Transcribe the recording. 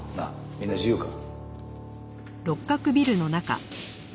みんな自由か？